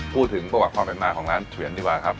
พูดถึงประวัติความเป็นมาของร้านเฉวียนดีกว่าครับ